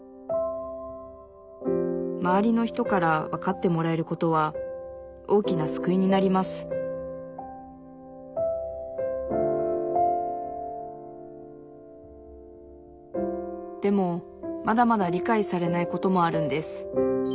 周りの人からわかってもらえることは大きな救いになりますでもまだまだ理解されないこともあるんです。